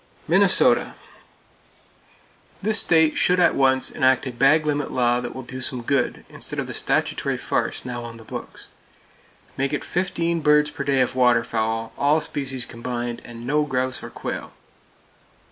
Minnesota: This state should at once enact a bag limit law that will do some good, instead of the statutory farce now on the books. Make it fifteen birds per day of waterfowl, all species combined, and no grouse or quail.